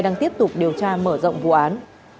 đang tiếp tục điều tra mở rộng vụ án